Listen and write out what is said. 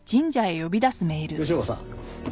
吉岡さん。